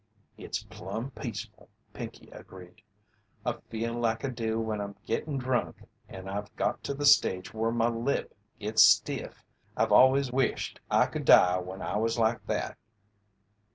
"It's plumb peaceful," Pinkey agreed. "I feel like I do when I'm gittin' drunk and I've got to the stage whur my lip gits stiff. I've always wisht I could die when I was like that."